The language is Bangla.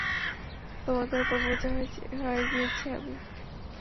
তোমাদের ওপর বোঝা হয়ে গিয়েছি আমি।